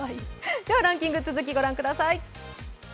では、ランキングの続きをご覧ください。